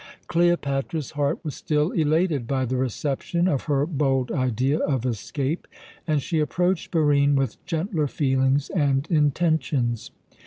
Cleopatra's heart was still elated by the reception of her bold idea of escape, and she approached Barine with gentler feelings and intentions.